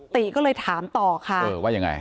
ตีก็เลยถามต่อค่ะว่าอย่างไร